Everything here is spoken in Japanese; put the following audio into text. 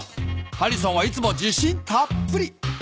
ハリソンはいつもじしんたっぷり。